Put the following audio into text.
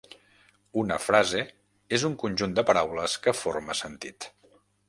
Una frase és un conjunt de paraules que forma sentit.